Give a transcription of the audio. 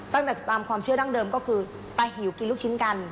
ตามความเชื่อดั้งเดิมก็คือไปหิวกินลูกชิ้นกัน